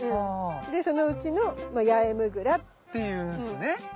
でそのうちのヤエムグラ。って言うんですね。